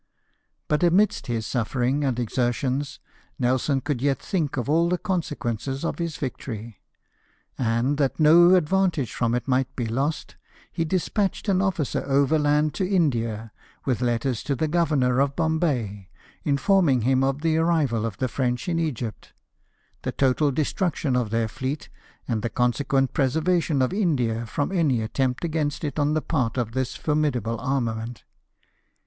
But amidst his suf ferings and exertions Nelson could yet thmk of all the consequences of his victory ; and, that no ad vantage from it might be lost, he despatched an officer overland to India, with letters to the governor of Bombay, informing him of the arrival of the French in Egypt, the total destruction of their fleet, and the consequent preservation of India from any attempt against it on the part of this formidable armament.